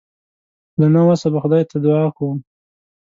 له نه وسه به خدای ته دعا کوم.